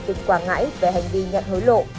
tỉnh quảng ngãi về hành vi nhận hối lộ